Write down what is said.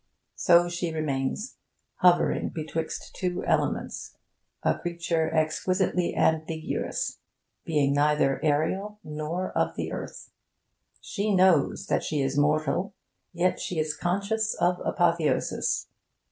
So she remains, hovering betwixt two elements; a creature exquisitely ambiguous, being neither aerial nor of the earth. She knows that she is mortal, yet is conscious of apotheosis.